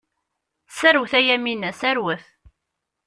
Serwet a Yamina, serwet!